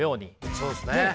そうっすね。